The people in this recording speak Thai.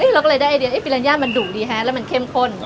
เราก็เลยได้ไอเดียเอฟิลัญญามันดุดีฮะแล้วมันเข้มข้น